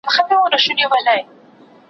زه اوږده وخت موبایل کاروم،